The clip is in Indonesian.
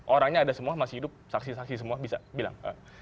orangnya ada semua masih hidup saksi saksi semua bisa bilang